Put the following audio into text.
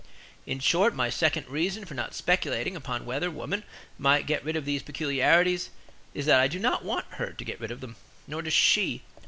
In short, my second reason for not speculating upon whether woman might get rid of these peculiarities, is that I do not want her to get rid of them; nor does she.